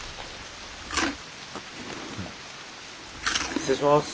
失礼します！